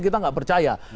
kita nggak percaya